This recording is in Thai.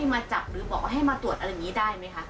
มันจะสาวไปถึงหรือว่าจะเอาผิด